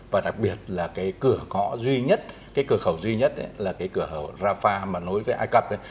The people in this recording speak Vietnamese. và đặc biệt là cái cửa gõ duy nhất cái cửa khẩu duy nhất ấy là cái cửa rafah mà nối với ai cập ấy